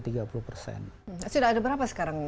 sudah ada berapa sekarang trayeknya